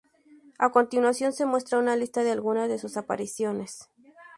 A continuación se muestra una lista de algunas de sus apariciones.